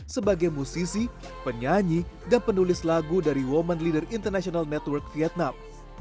sebagai musisi penyanyi dan penulis lagu dari women leader international network vietnam